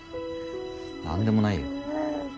何でもないよ。